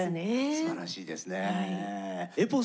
すばらしいですね。